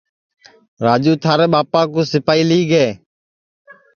راجو تھارے ٻاپا کُو سیپائی لیگے